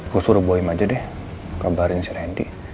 gue suruh boy aja deh kabarin si randy